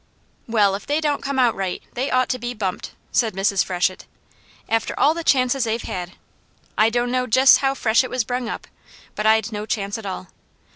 "Well, if they don't come out right, they ought to be bumped!" said Mrs. Freshett. "After all the chances they've had! I don' know jest how Freshett was brung up, but I'd no chance at all.